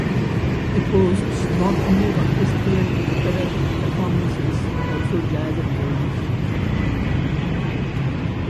It hosts not only orchestral and operatic performances, but also jazz and world music.